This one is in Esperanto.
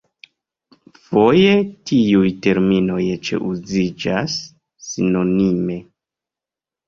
Foje tiuj terminoj eĉ uziĝas sinonime.